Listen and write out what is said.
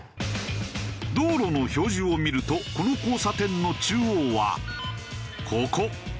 道路の表示を見るとこの交差点の中央はここ。